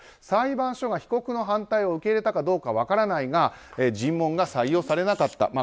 裁判所が被告の反対を受け入れたかどうか分からないが尋問が採用されなかった。